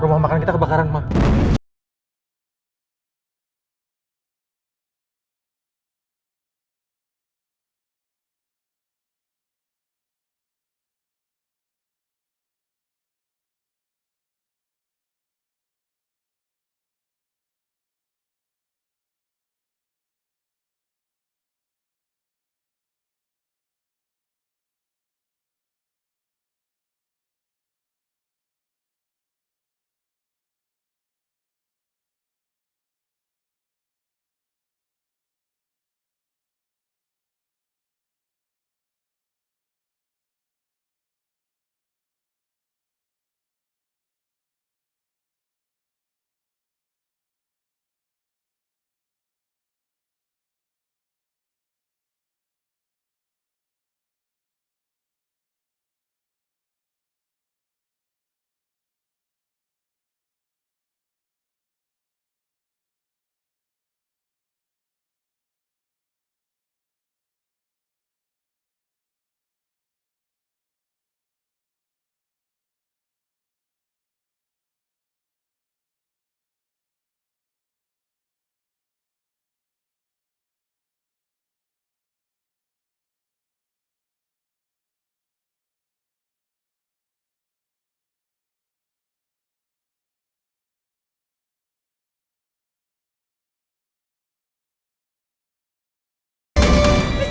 rumah makan kita kebakaran mak